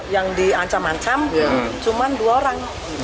yang diancam ancam cuma dua orang